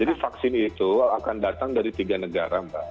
jadi vaksin itu akan datang dari tiga negara mbak